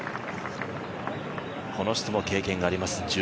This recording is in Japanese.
この人も経験があります